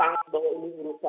yang memberikan ruang kemudian